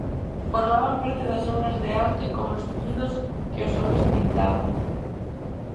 Formaban parte das obras de arte como espidos que os homes pintaban.